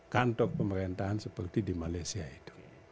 kantor pemerintahan seperti di malaysia itu